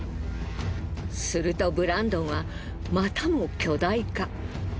するとブランドンはまたも巨大化。